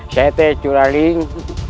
saya teh curaling